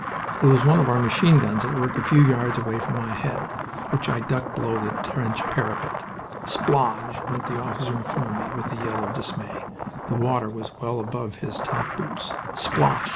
It was one of our machine guns at work a few yards away from my head, which I ducked below the trench parapet. Splodge! went the officer in front of me, with a yell of dismay. The water was well above his top boots. Splosh!